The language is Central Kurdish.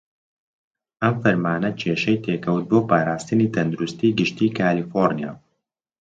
ئەم فەرمانە کێشەی تێکەوت بۆ پاراستنی تەندروستی گشتی کالیفۆڕنیا.